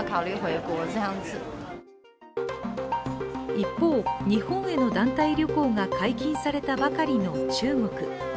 一方、日本への団体旅行が解禁されたばかりの中国。